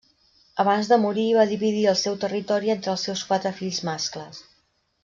Abans de morir va dividir el seu territori entre els seus quatre fills mascles.